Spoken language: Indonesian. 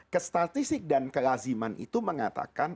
kestatistik dan kelaziman itu mengatakan